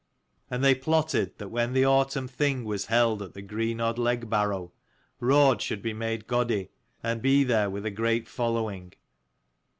And they plotted that when the autumn Thing was held at the Greenodd Legbarrow, Raud should be made Godi, and be there with a great following.